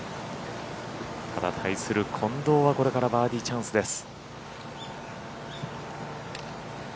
ただ、対する近藤はこれからバーディーチャンスです。